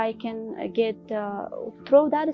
di mana saya bisa belajar